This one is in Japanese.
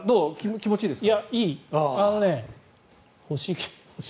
気持ちいいですか？